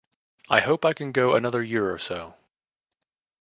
I hope I can go another year or so.